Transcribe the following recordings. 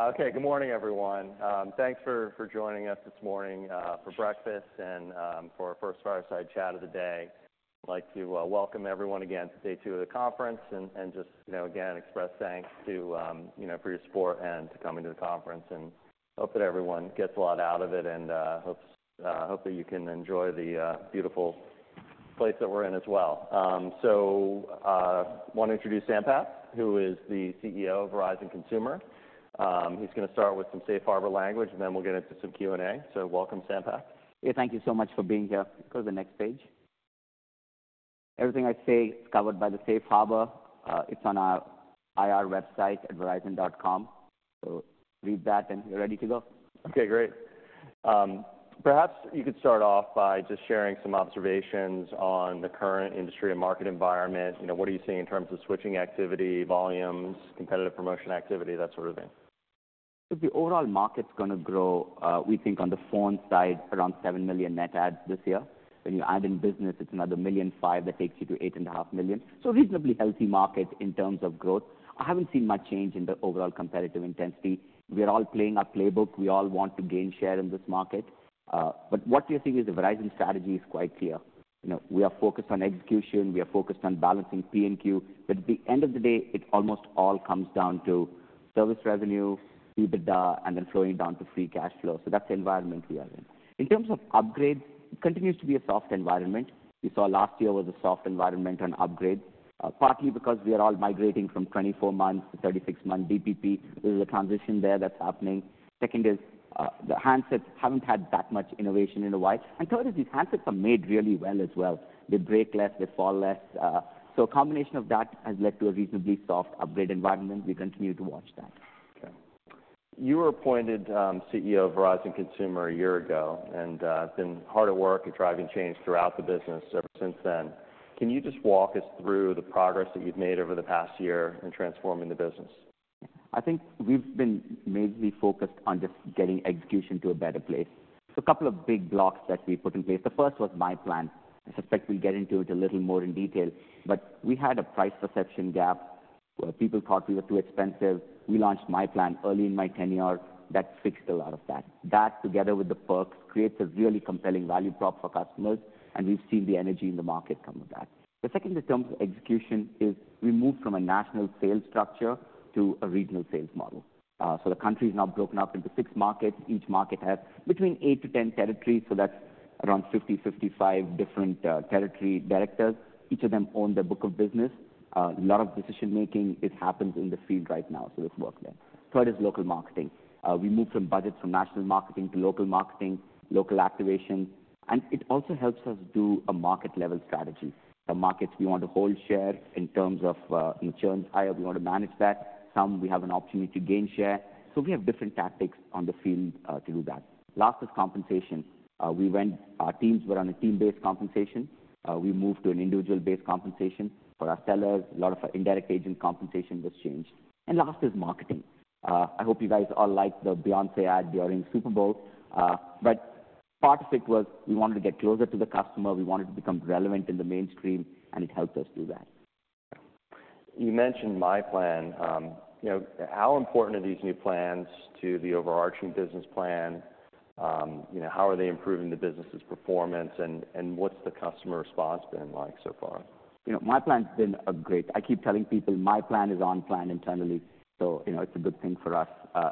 Okay, good morning, everyone. Thanks for joining us this morning for breakfast and for our first fireside chat of the day. I'd like to welcome everyone again to day two of the conference and just, you know, again, express thanks to, you know, for your support and to coming to the conference. Hope that everyone gets a lot out of it and hope that you can enjoy the beautiful place that we're in as well. So, I wanna introduce Sampath, who is the CEO of Verizon Consumer. He's gonna start with some Safe Harbor language, and then we'll get into some Q and A. So welcome, Sampath. Yeah, thank you so much for being here. Go to the next page. Everything I say is covered by the Safe Harbor. It's on our IR website at Verizon.com. So read that and you're ready to go. Okay, great. Perhaps you could start off by just sharing some observations on the current industry and market environment. You know, what are you seeing in terms of switching activity, volumes, competitive promotion activity, that sort of thing? So the overall market's gonna grow, we think on the phone side around 7 million net adds this year. When you add in business, it's another 1.5 million that takes you to 8.5 million. So reasonably healthy market in terms of growth. I haven't seen much change in the overall competitive intensity. We are all playing our playbook. We all want to gain share in this market. But what we are seeing is the Verizon strategy is quite clear. You know, we are focused on execution. We are focused on balancing P and Q. But at the end of the day, it almost all comes down to service revenue, EBITDA, and then flowing down to free cash flow. So that's the environment we are in. In terms of upgrades, it continues to be a soft environment. We saw last year was a soft environment on upgrades, partly because we are all migrating from 24-month to 36-month DPP. There's a transition there that's happening. Second is, the handsets haven't had that much innovation in a while. And third is these handsets are made really well as well. They break less. They fall less. So a combination of that has led to a reasonably soft upgrade environment. We continue to watch that. Okay. You were appointed CEO of Verizon Consumer a year ago. It's been hard at work driving change throughout the business ever since then. Can you just walk us through the progress that you've made over the past year in transforming the business? I think we've been majorly focused on just getting execution to a better place. So a couple of big blocks that we put in place. The first was myPlan. I suspect we'll get into it a little more in detail. But we had a price perception gap where people thought we were too expensive. We launched myPlan early in my tenure. That fixed a lot of that. That, together with the perks, creates a really compelling value prop for customers. And we've seen the energy in the market come with that. The second, in terms of execution, is we moved from a national sales structure to a regional sales model. So the country's now broken up into six markets. Each market has between 8-10 territories. So that's around 50, 55 different, territory directors. Each of them own their book of business. A lot of decision-making happens in the field right now. So there's work there. Third is local marketing. We moved from budgets from national marketing to local marketing, local activation. And it also helps us do a market-level strategy. The markets, we want to hold share in terms of, returns higher. We want to manage that. Some, we have an opportunity to gain share. So we have different tactics on the field, to do that. Last is compensation. We went our teams were on a team-based compensation. We moved to an individual-based compensation. For our sellers, a lot of our indirect agent compensation was changed. And last is marketing. I hope you guys all like the Beyoncé ad during Super Bowl. But part of it was we wanted to get closer to the customer. We wanted to become relevant in the mainstream. And it helped us do that. Okay. You mentioned myPlan. You know, how important are these new plans to the overarching business plan? You know, how are they improving the business's performance? And, what's the customer response been like so far? You know, myPlan's been a great. I keep telling people, myPlan is on-plan internally. So, you know, it's a good thing for us,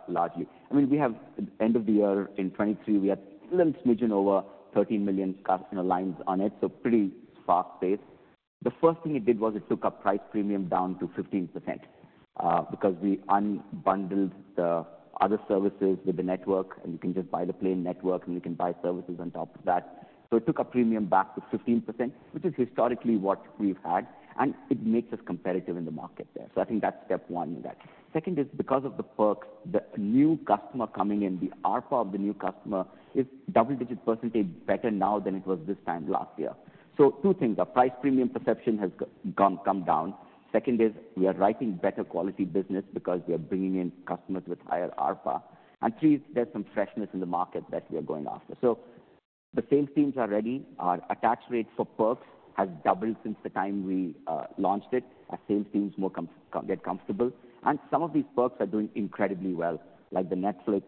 largely. I mean, we have at the end of the year in 2023, we had a little smidgen over 13 million customer lines on it. So pretty sparse base. The first thing it did was it took our price premium down to 15%, because we unbundled the other services with the network. You can just buy the plain network. And you can buy services on top of that. So it took our premium back to 15%, which is historically what we've had. It makes us competitive in the market there. So I think that's step one in that. Second is because of the perks, the new customer coming in, the ARPA of the new customer, is double-digit percentage better now than it was this time last year. So two things. Our price premium perception has gone, come down. Second is we are writing better quality business because we are bringing in customers with higher ARPA. And three is there's some freshness in the market that we are going after. So the sales teams are ready. Our attach rate for perks has doubled since the time we launched it, as sales teams get more comfortable. And some of these perks are doing incredibly well, like the Netflix,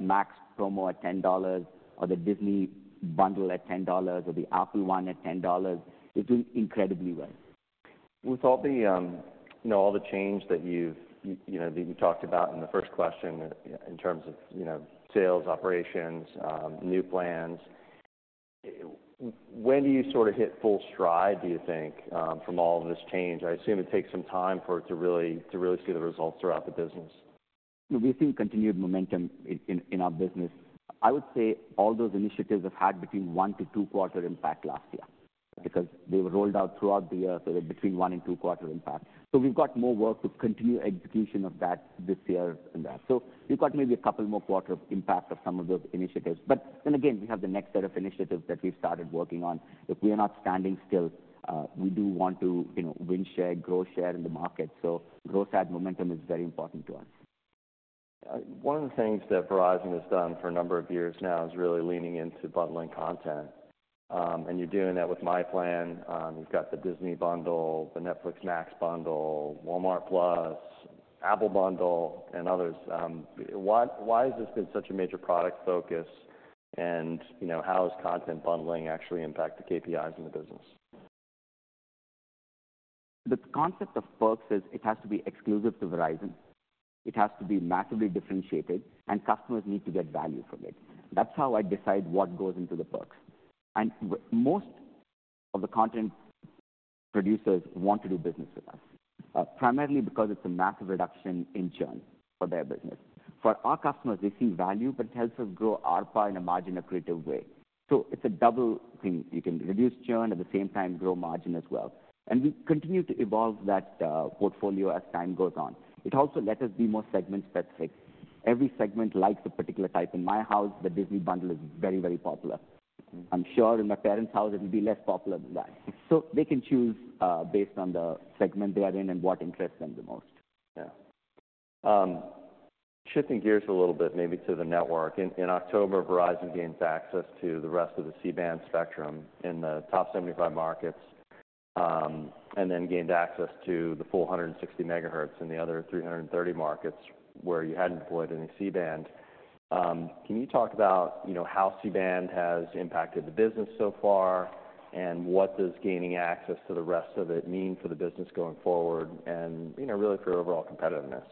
Max promo at $10, or the Disney bundle at $10, or the Apple One at $10. It's doing incredibly well. With all the, you know, all the change that you've, you know, that you talked about in the first question, in terms of, you know, sales, operations, new plans, when do you sort of hit full stride, do you think, from all of this change? I assume it takes some time for it to really see the results throughout the business. You know, we've seen continued momentum in our business. I would say all those initiatives have had between 1- to 2-quarter impact last year because they were rolled out throughout the year. So they're between one and two-quarter impact. So we've got more work to continue execution of that this year and that. So we've got maybe a couple more quarter of impact of some of those initiatives. But then again, we have the next set of initiatives that we've started working on. If we are not standing still, we do want to, you know, win share, grow share in the market. So gross add momentum is very important to us. One of the things that Verizon has done for a number of years now is really leaning into bundling content. You're doing that with myPlan. You've got the Disney bundle, the Netflix Max bundle, Walmart+, Apple bundle, and others. Why, why has this been such a major product focus? You know, how has content bundling actually impacted KPIs in the business? The concept of perks is, it has to be exclusive to Verizon. It has to be massively differentiated. Customers need to get value from it. That's how I decide what goes into the perks. And most of the content producers want to do business with us, primarily because it's a massive reduction in churn for their business. For our customers, they see value. But it helps us grow ARPA in a margin accretive way. It's a double thing. You can reduce churn at the same time grow margin as well. And we continue to evolve that portfolio as time goes on. It also lets us be more segment-specific. Every segment likes a particular type. In my house, the Disney bundle is very, very popular. Mm-hmm. I'm sure in my parents' house, it'll be less popular than that. So they can choose, based on the segment they are in and what interests them the most. Yeah. Shifting gears a little bit, maybe, to the network. In October, Verizon gained access to the rest of the C-band spectrum in the top 75 markets, and then gained access to the full 160 megahertz in the other 330 markets where you hadn't deployed any C-band. Can you talk about, you know, how C-band has impacted the business so far? And what does gaining access to the rest of it mean for the business going forward and, you know, really for your overall competitiveness?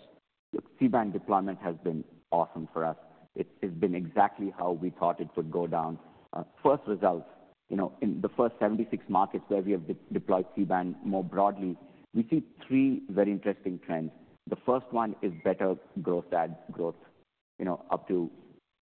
Look, C-band deployment has been awesome for us. It's been exactly how we thought it would go down. First results, you know, in the first 76 markets where we have deployed C-band more broadly, we see three very interesting trends. The first one is better gross add growth, you know, up to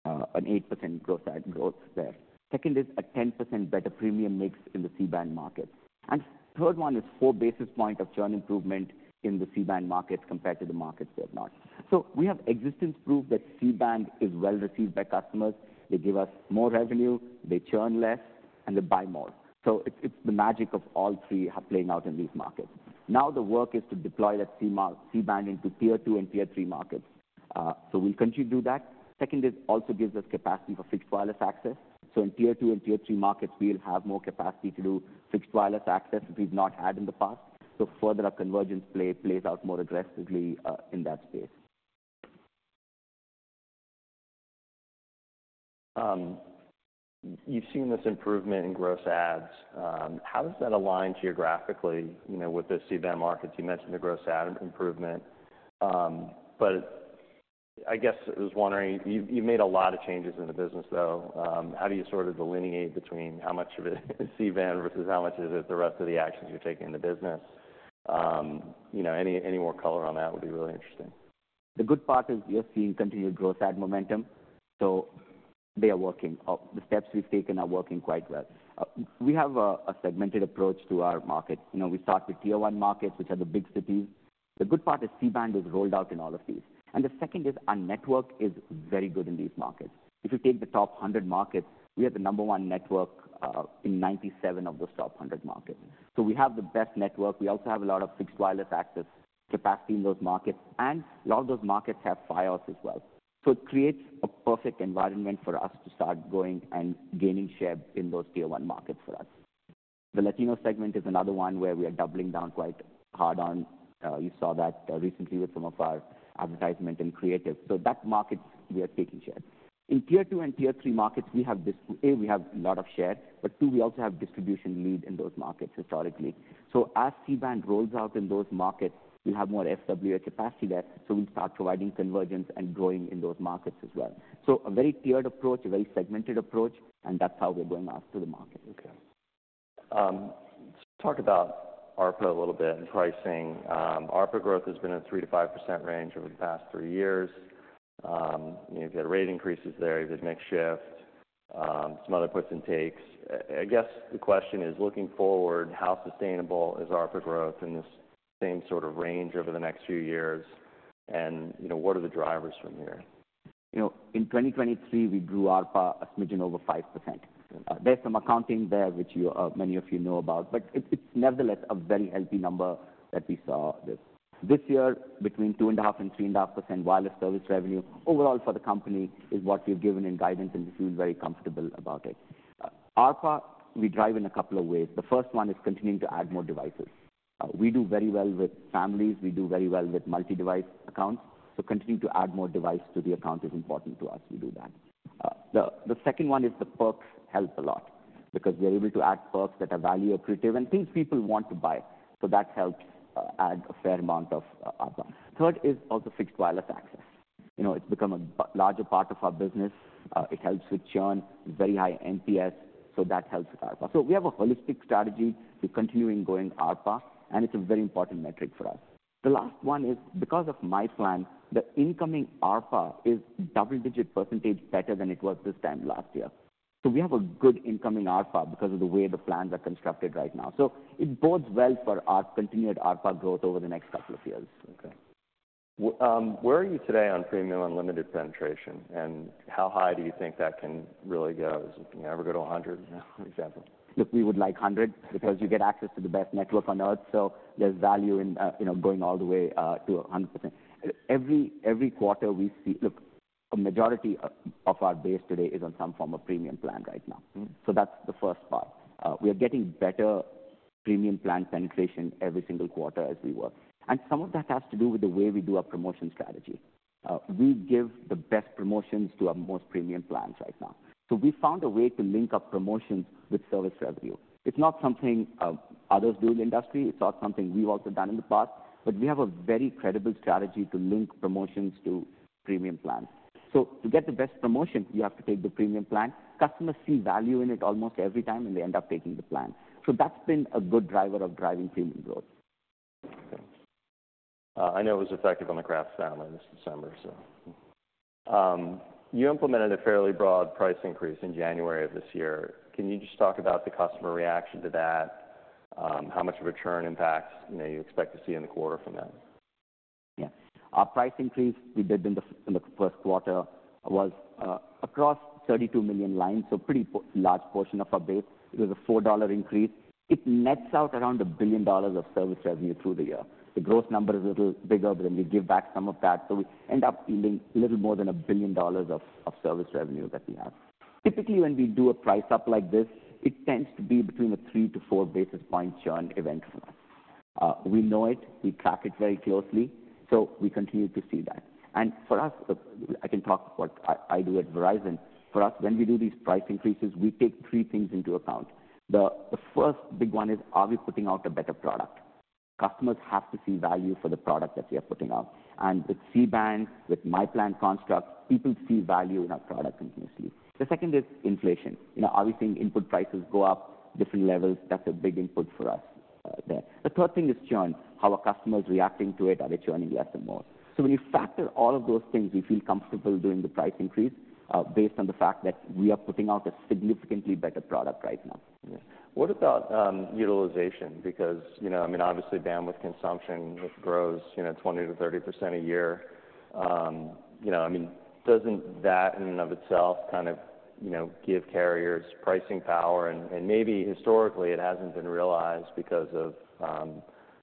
an 8% gross add growth there. Second is a 10% better premium mix in the C-band markets. And third one is 4 basis points of churn improvement in the C-band markets compared to the markets that are not. So we have existence proof that C-band is well received by customers. They give us more revenue. They churn less. And they buy more. So it's the magic of all three playing out in these markets. Now the work is to deploy that C-band into tier two and tier three markets. So we'll continue to do that. Second, it also gives us capacity for Fixed Wireless Access. So in tier two and tier three markets, we'll have more capacity to do Fixed Wireless Access that we've not had in the past. So further our convergence play plays out more aggressively in that space. You've seen this improvement in gross adds. How does that align geographically, you know, with the C-band markets? You mentioned the gross add improvement. But I guess I was wondering, you've made a lot of changes in the business, though. How do you sort of delineate between how much of it is C-band versus how much is it the rest of the actions you're taking in the business? You know, any more color on that would be really interesting. The good part is we are seeing continued gross add momentum. So they are working. The steps we've taken are working quite well. We have a segmented approach to our market. You know, we start with tier one markets, which are the big cities. The good part is C-band is rolled out in all of these. And the second is our network is very good in these markets. If you take the top 100 markets, we are the number one network in 97 of those top 100 markets. So we have the best network. We also have a lot of fixed wireless access capacity in those markets. And a lot of those markets have Fios as well. So it creates a perfect environment for us to start going and gaining share in those tier one markets for us. The Latino segment is another one where we are doubling down quite hard on. You saw that recently with some of our advertisement and creative. So those markets, we are taking share. In tier two and tier three markets, we have this, we have a lot of share. But too, we also have distribution lead in those markets historically. So as C-band rolls out in those markets, we'll have more FWA capacity there. So we'll start providing convergence and growing in those markets as well. So a very tiered approach, a very segmented approach. And that's how we're going after the market. Okay. Talk about ARPA a little bit and pricing. ARPA growth has been in a 3%-5% range over the past three years. You know, you've had rate increases there. You've had makeshift, some other puts and takes. I guess the question is, looking forward, how sustainable is ARPA growth in this same sort of range over the next few years? You know, what are the drivers from here? You know, in 2023, we grew ARPA a smidgen over 5%. Mm-hmm. There's some accounting there which you, many of you know about. But it's nevertheless a very healthy number that we saw this year, between 2.5% and 3.5% wireless service revenue overall for the company is what we've given in guidance. And we feel very comfortable about it. ARPA, we drive in a couple of ways. The first one is continuing to add more devices. We do very well with families. We do very well with multi-device accounts. So continuing to add more device to the account is important to us. We do that. The second one is the perks help a lot because we are able to add perks that are value accretive and things people want to buy. So that helps add a fair amount of ARPA. Third is also fixed wireless access. You know, it's become a bigger part of our business. It helps with churn. Very high NPS. So that helps with ARPA. So we have a holistic strategy. We're continuing growing ARPA. And it's a very important metric for us. The last one is because of myPlan, the incoming ARPA is double-digit% better than it was this time last year. So we have a good incoming ARPA because of the way the plans are constructed right now. So it bodes well for our continued ARPA growth over the next couple of years. Okay. Where are you today on premium unlimited penetration? And how high do you think that can really go? Does it, you know, ever go to 100%, for example? Look, we would like 100 because you get access to the best network on Earth. So there's value in, you know, going all the way, to 100%. Every, every quarter, we see look, a majority, of our base today is on some form of premium plan right now. Mm-hmm. So that's the first part. We are getting better premium plan penetration every single quarter as we work. And some of that has to do with the way we do our promotion strategy. We give the best promotions to our most premium plans right now. So we found a way to link up promotions with service revenue. It's not something others do in the industry. It's not something we've also done in the past. But we have a very credible strategy to link promotions to premium plans. So to get the best promotion, you have to take the premium plan. Customers see value in it almost every time. And they end up taking the plan. So that's been a good driver of driving premium growth. Okay. I know it was effective on the legacy family this December, so you implemented a fairly broad price increase in January of this year. Can you just talk about the customer reaction to that? How much of a churn impact, you know, you expect to see in the quarter from that? Yeah. Our price increase we did in the first quarter was across 32 million lines. So pretty large portion of our base. It was a $4 increase. It nets out around $1 billion of service revenue through the year. The gross number is a little bigger. But then we give back some of that. So we end up yielding a little more than $1 billion of service revenue that we have. Typically, when we do a price up like this, it tends to be between a 3-4 basis point churn event for us. We know it. We track it very closely. So we continue to see that. And for us, I can talk what I do at Verizon. For us, when we do these price increases, we take three things into account. The first big one is, are we putting out a better product? Customers have to see value for the product that we are putting out. And with C-band, with myPlan construct, people see value in our product continuously. The second is inflation. You know, are we seeing input prices go up different levels? That's a big input for us, there. The third thing is churn, how are customers reacting to it? Are they churning less or more? So when you factor all of those things, we feel comfortable doing the price increase, based on the fact that we are putting out a significantly better product right now. Yeah. What about utilization? Because, you know, I mean, obviously, bandwidth consumption it grows, you know, 20%-30% a year. You know, I mean, doesn't that in and of itself kind of, you know, give carriers pricing power? And maybe historically it hasn't been realized because of,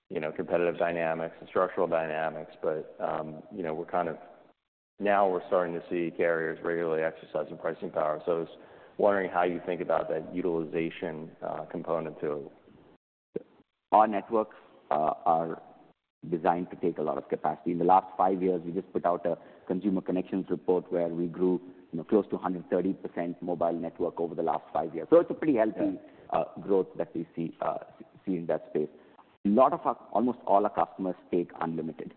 you know, competitive dynamics and structural dynamics. But, you know, we're kind of now, we're starting to see carriers regularly exercising pricing power. So I was wondering how you think about that utilization component to it? Our networks are designed to take a lot of capacity. In the last five years, we just put out a Consumer Connections Report where we grew, you know, close to 130% mobile network over the last five years. So it's a pretty healthy growth that we see in that space. A lot of our almost all our customers take unlimited.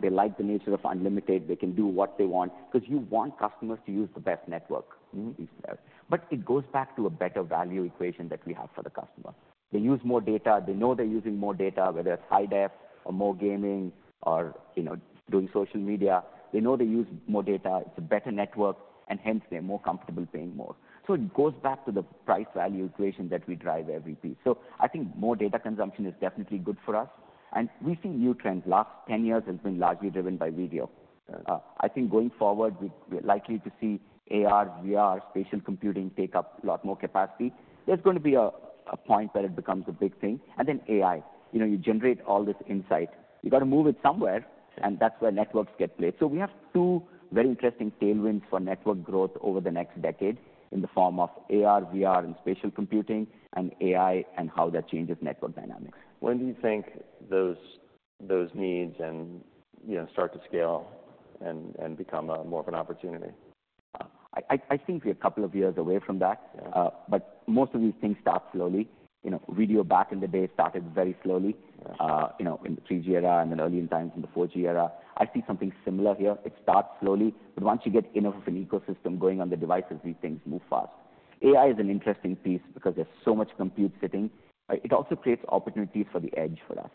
They like the nature of unlimited. They can do what they want because you want customers to use the best network. Mm-hmm. You sell. But it goes back to a better value equation that we have for the customer. They use more data. They know they're using more data, whether it's high-def or more gaming or, you know, doing social media. They know they use more data. It's a better network. And hence, they're more comfortable paying more. So it goes back to the price-value equation that we drive every piece. So I think more data consumption is definitely good for us. And we see new trends. Last 10 years has been largely driven by video. Yeah. I think, going forward, we're likely to see AR, VR, spatial computing take up a lot more capacity. There's going to be a point where it becomes a big thing. And then AI. You know, you generate all this insight. You got to move it somewhere. Sure. That's where networks get played. We have two very interesting tailwinds for network growth over the next decade in the form of AR, VR, and spatial computing, and AI, and how that changes network dynamics. When do you think those needs and, you know, start to scale and become more of an opportunity? I think we're a couple of years away from that. Yeah. But most of these things start slowly. You know, video, back in the day, started very slowly. Yeah. You know, in the 3G era and then early in times in the 4G era. I see something similar here. It starts slowly. But once you get enough of an ecosystem going on the devices, these things move fast. AI is an interesting piece because there's so much compute sitting. It also creates opportunities for the edge for us.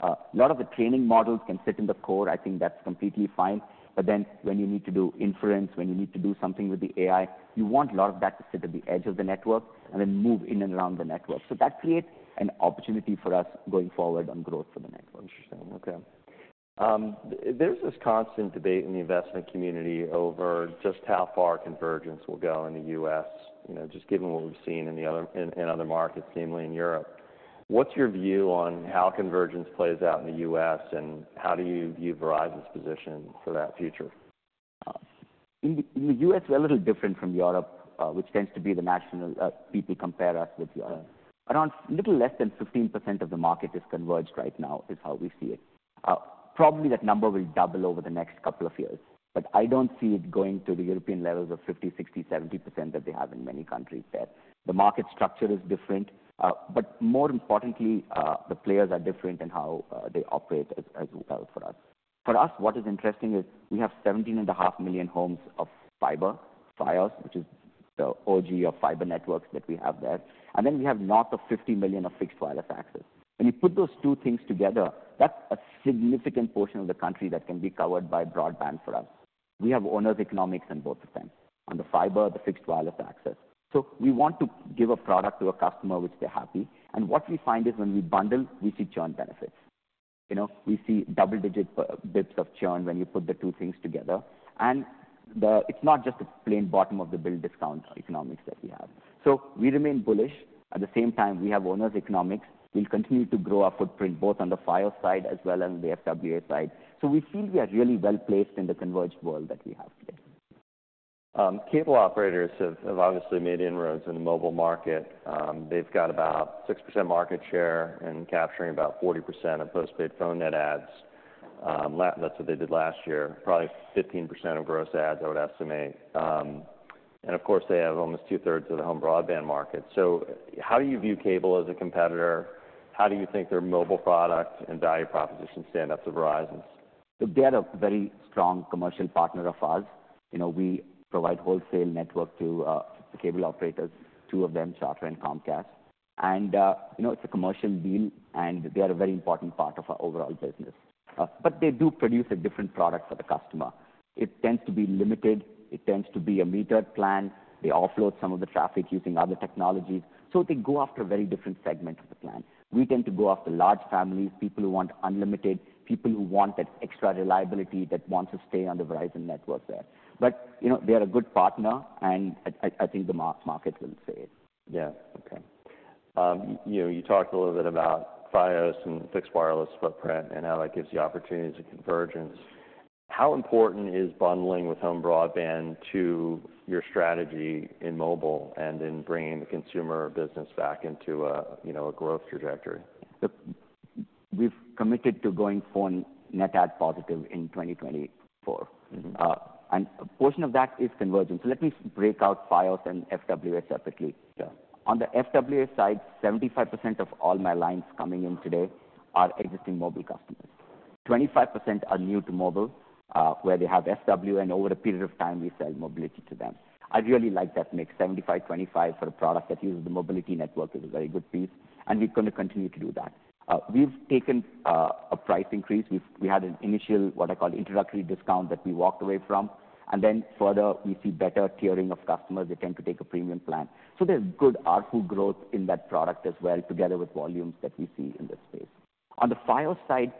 A lot of the training models can sit in the core. I think that's completely fine. But then, when you need to do inference, when you need to do something with the AI, you want a lot of that to sit at the edge of the network and then move in and around the network. So that creates an opportunity for us going forward on growth for the network. Interesting. Okay. There's this constant debate in the investment community over just how far convergence will go in the U.S., you know, just given what we've seen in other markets, namely in Europe. What's your view on how convergence plays out in the U.S.? And how do you view Verizon's position for that future? In the US, we're a little different from Europe, which tends to be the national. People compare us with Europe. Yeah. Around a little less than 15% of the market is converged right now is how we see it. Probably, that number will double over the next couple of years. But I don't see it going to the European levels of 50%, 60%, 70% that they have in many countries there. The market structure is different. But more importantly, the players are different in how they operate as well for us. For us, what is interesting is, we have 17.5 million homes of fiber, Fios, which is the OG of fiber networks that we have there. And then we have north of 50 million of fixed wireless access. When you put those two things together, that's a significant portion of the country that can be covered by broadband for us. We have owners economics in both of them on the fiber, the fixed wireless access. So we want to give a product to a customer which they're happy. And what we find is, when we bundle, we see churn benefits. You know, we see double-digit basis points of churn when you put the two things together. And it's not just a plain bottom-of-the-bill discount economics that we have. So we remain bullish. At the same time, we have our own economics. We'll continue to grow our footprint both on the Fios side as well as on the FWA side. So we feel we are really well-placed in the converged world that we have today. Cable operators have obviously made inroads in the mobile market. They've got about 6% market share in capturing about 40% of postpaid phone net adds. That's what they did last year, probably 15% of gross adds, I would estimate. And, of course, they have almost two-thirds of the home broadband market. So how do you view cable as a competitor? How do you think their mobile product and value proposition stand up to Verizon's? Look, they are a very strong commercial partner of ours. You know, we provide wholesale network to the cable operators, 2 of them, Charter and Comcast. And, you know, it's a commercial deal. And they are a very important part of our overall business. But they do produce a different product for the customer. It tends to be limited. It tends to be a metered plan. They offload some of the traffic using other technologies. So they go after a very different segment of the plan. We tend to go after large families, people who want unlimited, people who want that extra reliability that wants to stay on the Verizon network there. But, you know, they are a good partner. And I, I, I think the market will say it. Yeah. Okay. You know, you talked a little bit about Fios and fixed wireless footprint and how that gives you opportunities at convergence. How important is bundling with home broadband to your strategy in mobile and in bringing the consumer business back into, you know, a growth trajectory? Look, we've committed to going phone net adds positive in 2024. Mm-hmm. A portion of that is convergence. So let me break out Fios and FWA separately. Yeah. On the FWA side, 75% of all my lines coming in today are existing mobile customers. 25% are new to mobile, where they have FW. And over a period of time, we sell mobility to them. I really like that mix. 75/25 for a product that uses the mobility network is a very good piece. And we're going to continue to do that. We've taken a price increase. We've had an initial, what I call, introductory discount that we walked away from. And then, further, we see better tiering of customers. They tend to take a premium plan. So there's good ARPU growth in that product as well together with volumes that we see in this space. On the Fios side,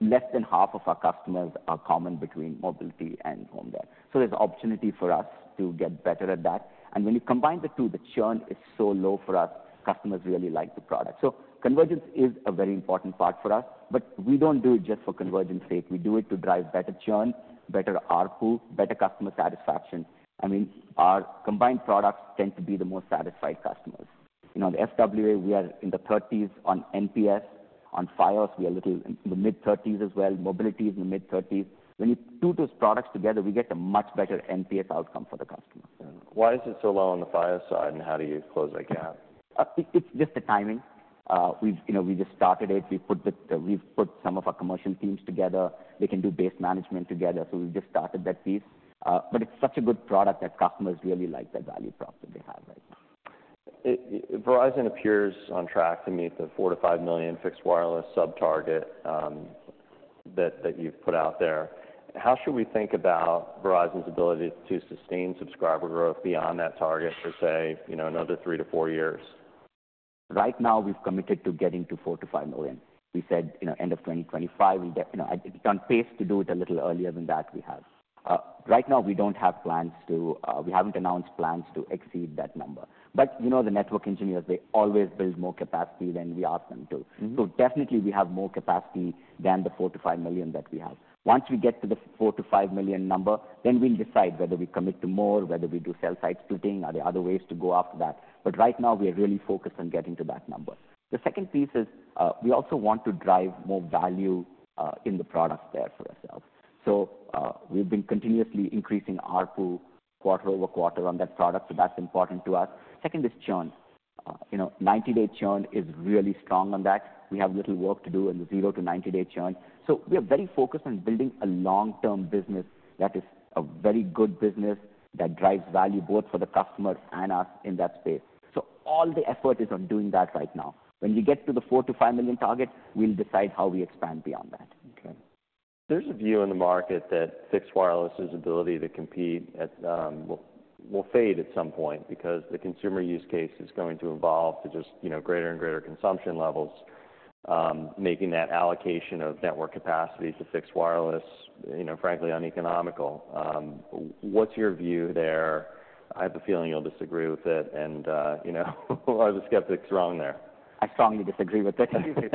less than half of our customers are common between mobility and home there. So there's opportunity for us to get better at that. When you combine the two, the churn is so low for us, customers really like the product. So convergence is a very important part for us. But we don't do it just for convergence's sake. We do it to drive better churn, better RFU, better customer satisfaction. I mean, our combined products tend to be the most satisfied customers. You know, on the FWA, we are in the 30s on NPS. On Fios, we are a little in the mid-30s as well. Mobility is in the mid-30s. When you put those products together, we get a much better NPS outcome for the customer. Yeah. Why is it so low on the Fios side? And how do you close that gap? It's just the timing. We've, you know, just started it. We've put some of our commercial teams together. They can do base management together. So we've just started that piece. But it's such a good product that customers really like that value prop that they have right now. Verizon appears on track to meet the 4-5 million fixed wireless sub-target that you've put out there. How should we think about Verizon's ability to sustain subscriber growth beyond that target for, say, you know, another 3-4 years? Right now, we've committed to getting to 4-5 million. We said, you know, end of 2025, we'll get you know, it's on pace to do it a little earlier than that we have. Right now, we don't have plans to, we haven't announced plans to exceed that number. But, you know, the network engineers, they always build more capacity than we ask them to. Mm-hmm. Definitely, we have more capacity than the 4-5 million that we have. Once we get to the 4-5 million number, then we'll decide whether we commit to more, whether we do cell site splitting. Are there other ways to go after that? Right now, we are really focused on getting to that number. The second piece is, we also want to drive more value, in the product there for ourselves. We've been continuously increasing RFU quarter-over-quarter on that product. That's important to us. Second is churn. You know, 90-day churn is really strong on that. We have little work to do in the 0-90-day churn. We are very focused on building a long-term business that is a very good business that drives value both for the customer and us in that space. So all the effort is on doing that right now. When we get to the 4-5 million target, we'll decide how we expand beyond that. Okay. There's a view in the market that fixed wireless's ability to compete at will fade at some point because the consumer use case is going to evolve to just, you know, greater and greater consumption levels, making that allocation of network capacity to fixed wireless, you know, frankly, uneconomical. What's your view there? I have a feeling you'll disagree with it. You know, are the skeptics wrong there? I strongly disagree with it. Anyway.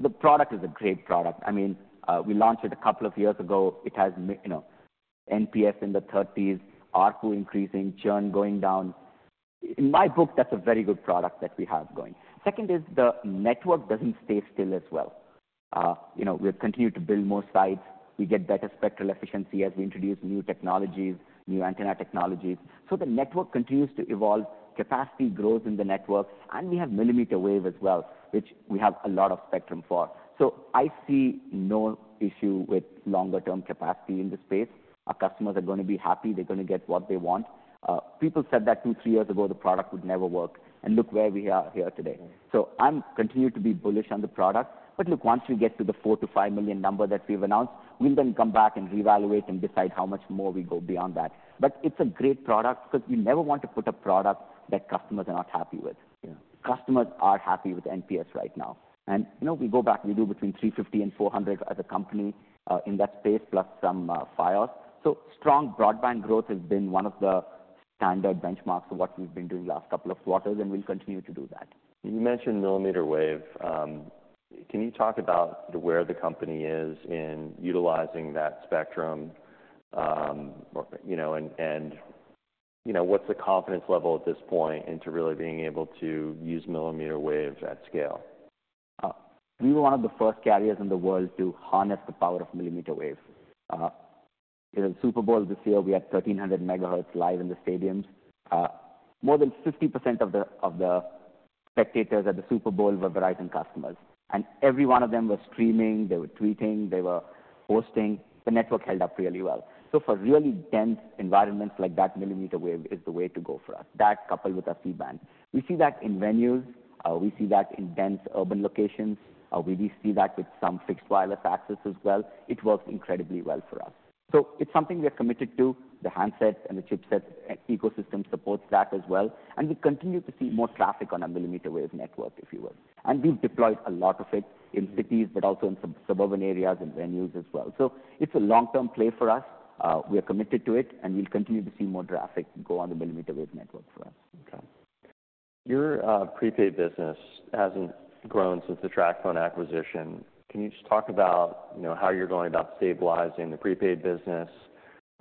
The product is a great product. I mean, we launched it a couple of years ago. It has high, you know, NPS in the 30s, RFU increasing, churn going down. In my book, that's a very good product that we have going. Second is, the network doesn't stay still as well. You know, we'll continue to build more sites. We get better spectral efficiency as we introduce new technologies, new antenna technologies. So the network continues to evolve. Capacity grows in the network. And we have millimeter wave as well, which we have a lot of spectrum for. So I see no issue with longer-term capacity in this space. Our customers are going to be happy. They're going to get what they want. People said that two, three years ago, the product would never work. And look where we are here today. I'm continue to be bullish on the product. But look, once we get to the 4-5 million number that we've announced, we'll then come back and reevaluate and decide how much more we go beyond that. It's a great product because we never want to put a product that customers are not happy with. Yeah. Customers are happy with NPS right now. You know, we go back. We do between 350 and 400 as a company, in that space plus some, fiber ops. Strong broadband growth has been one of the standard benchmarks of what we've been doing last couple of quarters. We'll continue to do that. You mentioned Millimeter wave. Can you talk about where the company is in utilizing that spectrum, or, you know, and you know, what's the confidence level at this point into really being able to use Millimeter wave at scale? We were one of the first carriers in the world to harness the power of millimeter wave. In the Super Bowl this year, we had 1,300 megahertz live in the stadiums. More than 50% of the spectators at the Super Bowl were Verizon customers. Every one of them was streaming. They were tweeting. They were posting. The network held up really well. So for really dense environments like that, millimeter wave is the way to go for us, that coupled with our C-band. We see that in venues. We see that in dense urban locations. We do see that with some fixed wireless access as well. It works incredibly well for us. So it's something we are committed to. The handset and the chipset ecosystem supports that as well. And we continue to see more traffic on our millimeter wave network, if you will. We've deployed a lot of it in cities but also in suburban areas and venues as well. So it's a long-term play for us. We are committed to it. We'll continue to see more traffic go on the millimeter wave network for us. Okay. Your prepaid business hasn't grown since the TracFone acquisition. Can you just talk about, you know, how you're going about stabilizing the prepaid business,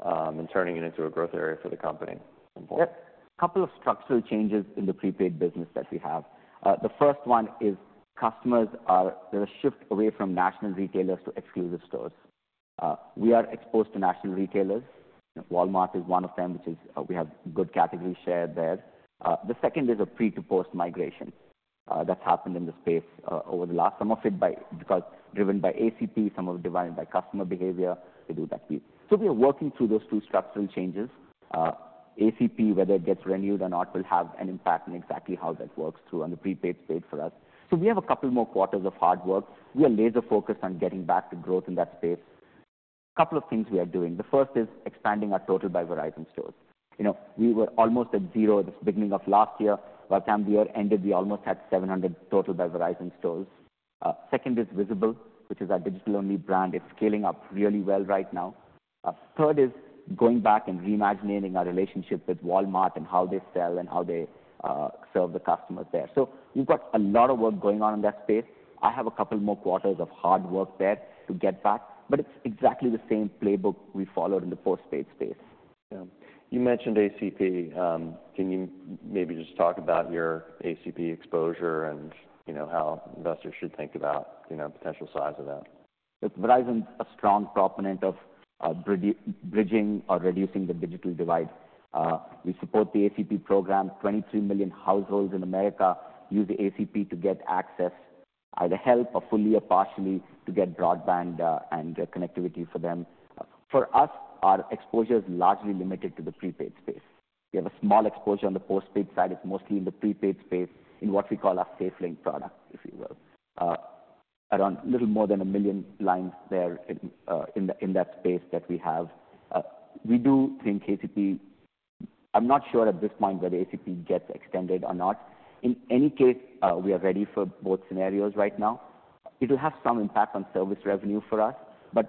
and turning it into a growth area for the company at some point? Yep. A couple of structural changes in the prepaid business that we have. The first one is, customers, there's a shift away from national retailers to exclusive stores. We are exposed to national retailers. You know, Walmart is one of them, which is, we have good category share there. The second is a pre-to-post migration, that's happened in the space, over the last some of it because driven by ACP, some of it driven by customer behavior. They do that piece. So we are working through those two structural changes. ACP, whether it gets renewed or not, will have an impact on exactly how that works through on the prepaid side for us. So we have a couple more quarters of hard work. We are laser-focused on getting back to growth in that space. A couple of things we are doing. The first is expanding our Total by Verizon stores. You know, we were almost at 0 at the beginning of last year. By the time the year ended, we almost had 700 Total by Verizon stores. Second is Visible, which is our digital-only brand. It's scaling up really well right now. Third is going back and reimagining our relationship with Walmart and how they sell and how they serve the customers there. So we've got a lot of work going on in that space. I have a couple more quarters of hard work there to get back. But it's exactly the same playbook we followed in the postpaid space. Yeah. You mentioned ACP. Can you maybe just talk about your ACP exposure and, you know, how investors should think about, you know, potential size of that? Look, Verizon's a strong proponent of bridging or reducing the digital divide. We support the ACP program. 23 million households in America use ACP to get access, either help or fully or partially, to get broadband and connectivity for them. For us, our exposure is largely limited to the prepaid space. We have a small exposure on the postpaid side. It's mostly in the prepaid space in what we call our SafeLink product, if you will, around a little more than 1 million lines in that space that we have. We do think ACP. I'm not sure at this point whether ACP gets extended or not. In any case, we are ready for both scenarios right now. It'll have some impact on service revenue for us.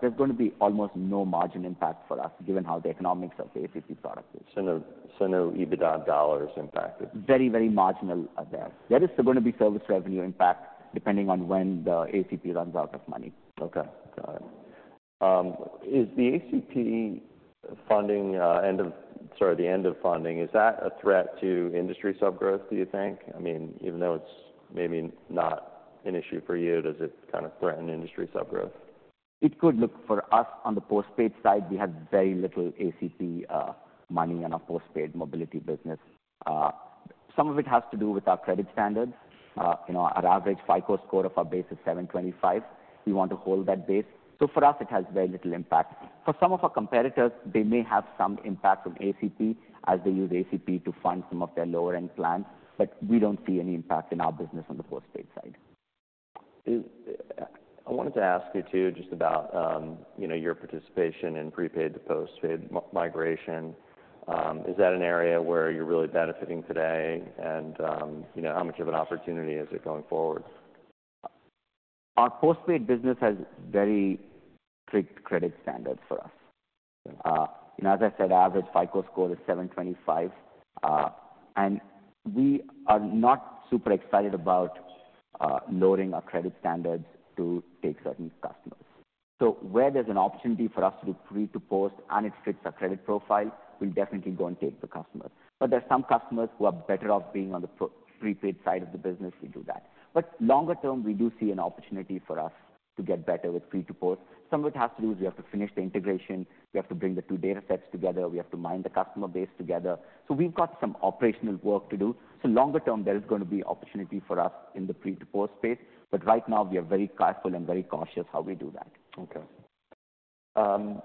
There's going to be almost no margin impact for us given how the economics of the ACP product is. So, no. So, no EBITDA dollars impacted? Very, very marginal, there. There is going to be service revenue impact depending on when the ACP runs out of money. Okay. Got it. Is the ACP funding, end of sorry, the end of funding, is that a threat to industry subgrowth, do you think? I mean, even though it's maybe not an issue for you, does it kind of threaten industry subgrowth? It could. Look, for us, on the postpaid side, we have very little ACP money on our postpaid mobility business. Some of it has to do with our credit standards. You know, our average FICO score of our base is 725. We want to hold that base. So for us, it has very little impact. For some of our competitors, they may have some impact from ACP as they use ACP to fund some of their lower-end plans. But we don't see any impact in our business on the postpaid side. I wanted to ask you too just about, you know, your participation in prepaid to postpaid migration. Is that an area where you're really benefiting today? And, you know, how much of an opportunity is it going forward? Our postpaid business has very strict credit standards for us. Yeah. You know, as I said, average FICO score is 725. We are not super excited about lowering our credit standards to take certain customers. Where there's an opportunity for us to do pre to post and it fits our credit profile, we'll definitely go and take the customers. But there's some customers who are better off being on the pro prepaid side of the business. We do that. Longer term, we do see an opportunity for us to get better with pre to post. Some of it has to do with we have to finish the integration. We have to bring the two data sets together. We have to mine the customer base together. So we've got some operational work to do. Longer term, there is going to be opportunity for us in the pre to post space. But right now, we are very careful and very cautious how we do that. Okay.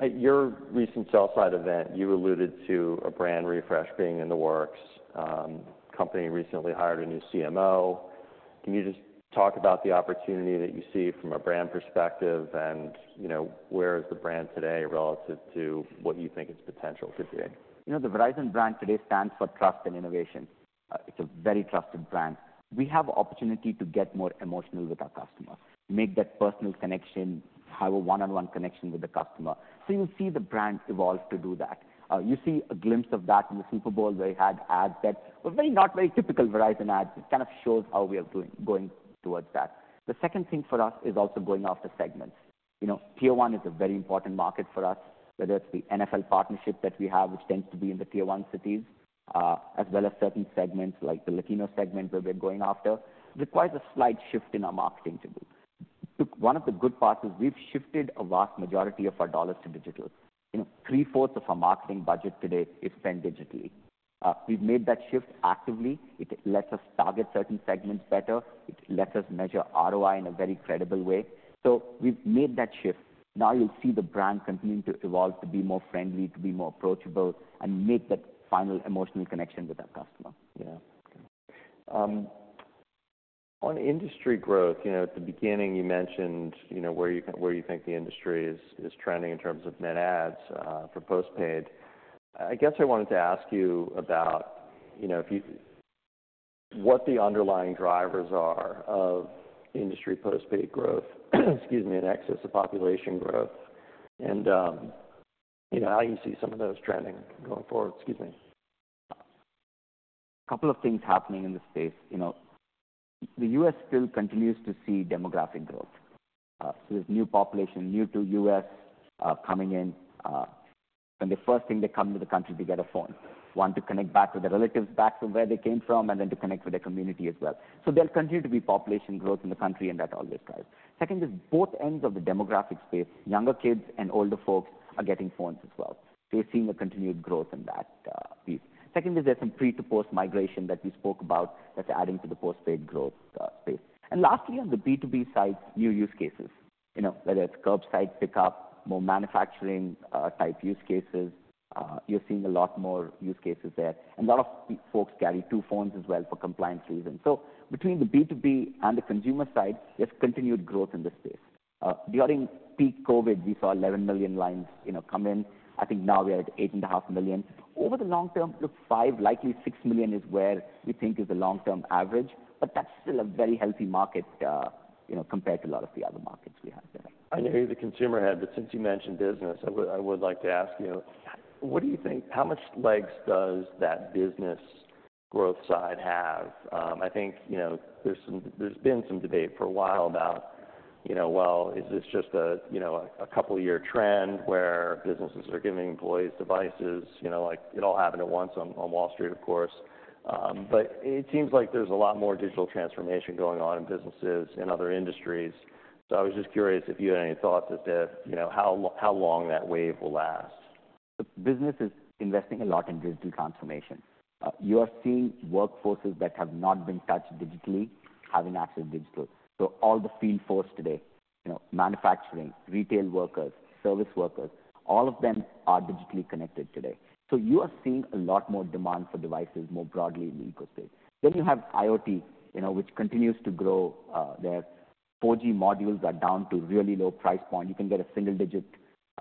At your recent sell-side event, you alluded to a brand refresh being in the works. Company recently hired a new CMO. Can you just talk about the opportunity that you see from a brand perspective? You know, where is the brand today relative to what you think its potential could be? You know, the Verizon brand today stands for trust and innovation. It's a very trusted brand. We have opportunity to get more emotional with our customer, make that personal connection, have a one-on-one connection with the customer. So you'll see the brand evolve to do that. You see a glimpse of that in the Super Bowl where you had ads that were very not very typical Verizon ads. It kind of shows how we are doing going towards that. The second thing for us is also going after segments. You know, Tier 1 is a very important market for us, whether it's the NFL partnership that we have, which tends to be in the Tier 1 cities, as well as certain segments like the Latino segment where we're going after. It requires a slight shift in our marketing to do. One of the good parts is, we've shifted a vast majority of our dollars to digital. You know, three-fourths of our marketing budget today is spent digitally. We've made that shift actively. It lets us target certain segments better. It lets us measure ROI in a very credible way. So we've made that shift. Now, you'll see the brand continuing to evolve to be more friendly, to be more approachable, and make that final emotional connection with our customer. Yeah. Okay. On industry growth, you know, at the beginning, you mentioned, you know, where you think the industry is trending in terms of net adds for postpaid. I guess I wanted to ask you about, you know, what the underlying drivers are of industry postpaid growth, excuse me, in excess of population growth. And, you know, how you see some of those trending going forward. Excuse me. A couple of things happening in the space. You know, the U.S. still continues to see demographic growth. So there's new population, new to U.S., coming in. When the first thing they come to the country, they get a phone, want to connect back with their relatives back from where they came from and then to connect with their community as well. So there'll continue to be population growth in the country. And that always drives. Second is both ends of the demographic space, younger kids and older folks are getting phones as well. So you're seeing a continued growth in that piece. Second is, there's some pre to post migration that we spoke about that's adding to the postpaid growth space. And lastly, on the B2B side, new use cases, you know, whether it's curbside pickup, more manufacturing type use cases. You're seeing a lot more use cases there. A lot of folks carry two phones as well for compliance reasons. So between the B2B and the consumer side, there's continued growth in this space. During peak COVID, we saw 11 million lines, you know, come in. I think now, we are at 8.5 million. Over the long term, look, 5, likely 6 million is where we think is the long-term average. But that's still a very healthy market, you know, compared to a lot of the other markets we have there. I know you're the consumer head. But since you mentioned business, I would like to ask you, what do you think how much legs does that business growth side have? I think, you know, there's been some debate for a while about, you know, well, is this just a couple-year trend where businesses are giving employees devices? You know, like, it all happened at once on Wall Street, of course. But it seems like there's a lot more digital transformation going on in businesses and other industries. So I was just curious if you had any thoughts as to, you know, how long that wave will last. The business is investing a lot in digital transformation. You are seeing workforces that have not been touched digitally having access digital. So all the field force today, you know, manufacturing, retail workers, service workers, all of them are digitally connected today. So you are seeing a lot more demand for devices more broadly in the ecosystem. Then you have IoT, you know, which continues to grow. Their 4G modules are down to really low price point. You can get a single-digit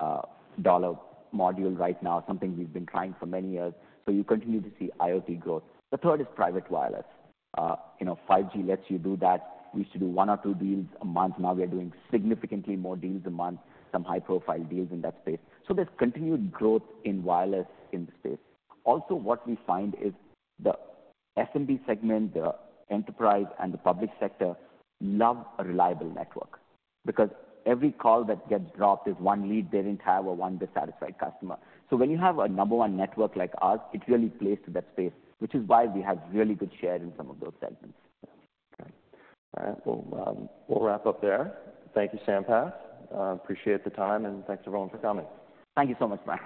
$ module right now, something we've been trying for many years. So you continue to see IoT growth. The third is private wireless. You know, 5G lets you do that. We used to do 1 or 2 deals a month. Now, we are doing significantly more deals a month, some high-profile deals in that space. So there's continued growth in wireless in the space. Also, what we find is the SMB segment, the enterprise, and the public sector love a reliable network because every call that gets dropped is one lead they didn't have or one dissatisfied customer. So when you have a number one network like ours, it really plays to that space, which is why we have really good share in some of those segments. Yeah. Okay. All right. Well, we'll wrap up there. Thank you, Sampath. Appreciate the time. And thanks everyone for coming. Thank you so much, Mike.